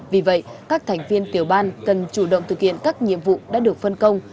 vì vậy các thành viên tiểu ban cần chủ động thực hiện các nhiệm vụ đã được phân công